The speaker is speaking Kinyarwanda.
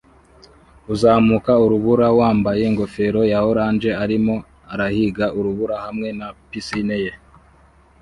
Uzamuka urubura wambaye ingofero ya orange arimo arahiga urubura hamwe na pisine ye